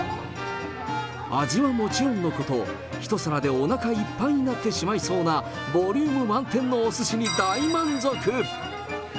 味はもちろんのこと、１皿でおなかいっぱいになってしまいそうなボリューム満点のおすしに大満足。